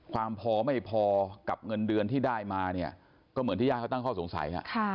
ความพอไม่พอกับเงินเดือนที่ได้มาเนี่ยก็เหมือนที่ญาติเขาตั้งข้อสงสัย